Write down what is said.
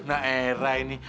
nah era ini